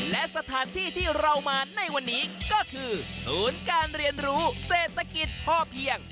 และสถานที่ที่เรามาในวันนี้ก็คือศูนย์การเรียนรู้เศรษฐกิจพ่อเพียง